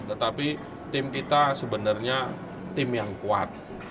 tetapi tim kita sebenarnya tim yang kuat